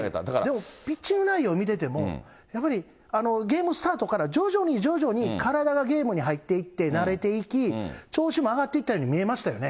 でも、ピッチング内容見てても、やっぱり、ゲームスタートから徐々に徐々に、体がゲームに入っていって、慣れていき、調子も上がっていったように見えましたよね。